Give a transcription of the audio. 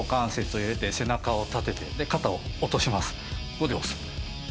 これで押す。